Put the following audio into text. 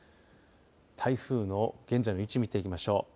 台風の現在の位置見ていきましょう。